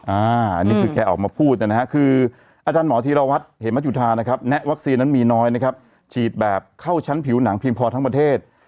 อาจารย์หมอธิรวรรษเห็นมจุธาหรือหมอดื้อนี่นะครับแกก็ออกมาแนะบอกว่าวัคซีนมีน้อยเนี่ยนะครับจริงแล้วคุณจะฉีดแบบเข้าชั้นผิวหนังเพียงพอทั้งประเทศ